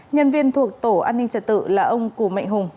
nhân viên thuộc tổ an ninh trật tự là ông cù mạnh hùng